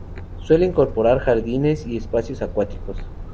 Suele incorporar jardines y espacios acuáticos.